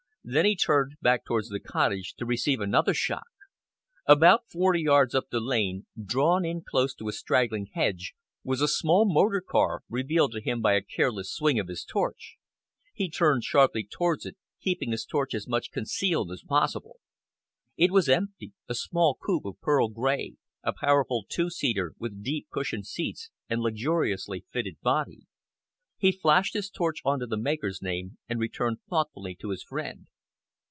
Then he turned back towards the cottage, to receive another shock. About forty yards up the lane, drawn in close to a straggling hedge, was a small motor car, revealed to him by a careless swing of his torch. He turned sharply towards it, keeping his torch as much concealed as possible. It was empty a small coupe of pearl grey a powerful two seater, with deep, cushioned seats and luxuriously fitted body. He flashed his torch on to the maker's name and returned thoughtfully to his friend.